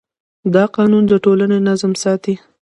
دا قانون د ټولنې نظم ساتي.